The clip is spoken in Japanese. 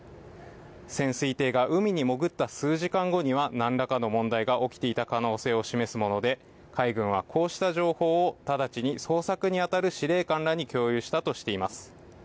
潜水艇が海に潜った数時間後には何らかの問題が起きていた可能性を示すもので、海軍はこうした情報を直ちに捜索にあたる司令官らに共有したとしています。